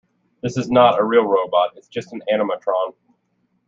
This is not a real robot, it's just an animatron.